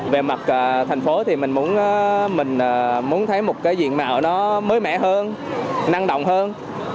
về mặt thành phố thì mình muốn thấy một cái diện mạo nó mới mẻ hơn năng động hơn